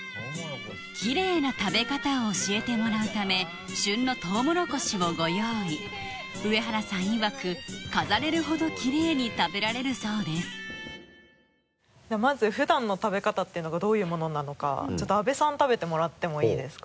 キレイな食べ方を教えてもらうため旬のとうもろこしをご用意うえはらさんいわく飾れるほどキレイに食べられるそうですではまず普段の食べ方っていうのがどういうものなのかちょっと阿部さん食べてもらってもいいですか？